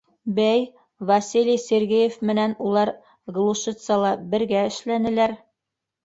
— Бәй, Василий Сергеев менән улар Глушицала бергә эшләнеләр.